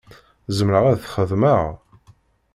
Zemreɣ ad t-xedmeɣ?